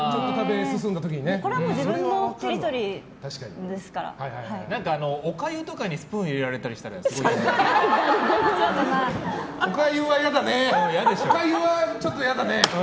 これは自分のおかゆとかにスプーンを入れられたりしたらおかゆは嫌だね！